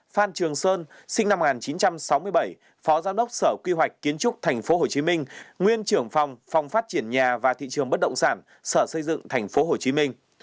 phan trường sơn sinh năm một nghìn chín trăm sáu mươi bảy phó giám đốc sở quy hoạch kiến trúc tp hcm nguyên trưởng phòng phòng phát triển nhà và thị trường bất động sản sở xây dựng tp hcm